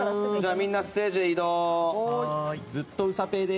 みんなステージへ移動。